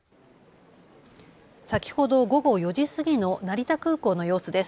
先ほど午後４時過ぎの成田空港の様子です。